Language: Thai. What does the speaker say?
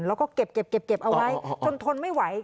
แล้วก็เก็บเก็บเก็บเอาไว้จนทนไม่ไหว